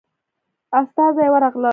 استازي ورغلل.